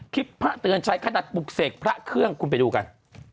พระเตือนชัยขนาดปลุกเสกพระเครื่องคุณไปดูกัน